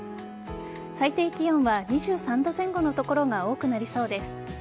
最低気温は２３度前後の所が多くなりそうです。